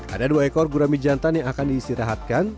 ada dua ekor gurami jantan yang akan diistirahatkan